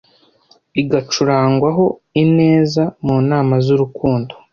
Igacurangwa ho ineza Mu nama z’urukundo